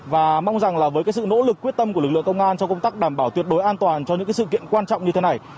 và mong rằng là với sự nỗ lực quyết tâm của lực lượng công an trong công tác đảm bảo tuyệt đối an toàn cho những sự kiện quan trọng như thế này